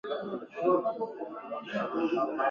زه د چنګۍ د سېبو په باغ کي یم.